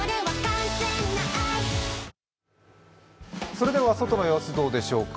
それでは外の様子どうでしょうか。